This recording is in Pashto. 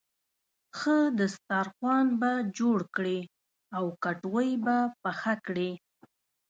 ښه دسترخوان به جوړ کړې او کټوۍ به پخه کړې.